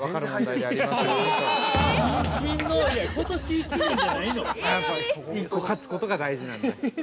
◆やっぱ１個勝つことが大事なんで。